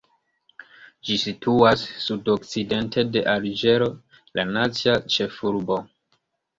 Ĝi situas sudokcidente de Alĝero, la nacia ĉefurbo.